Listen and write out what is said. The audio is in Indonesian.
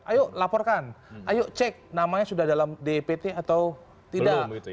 ayo laporkan ayo cek namanya sudah dalam dpt atau tidak